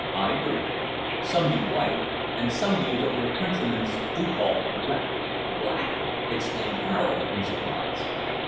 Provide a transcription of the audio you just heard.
"Ivory. Some be white, an' some be what your contrymans do call black." "Black!" exclaimed Harold, in surprise.